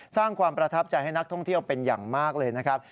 สร้างความประทับใจให้นักท่องเที่ยวเป็นอย่างมากเลยนะครับ